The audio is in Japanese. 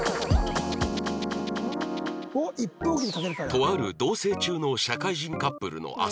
とある同棲中の社会人カップルの朝